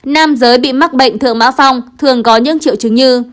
nam giới bị mắc bệnh thượng mã phong thường có những triệu chứng như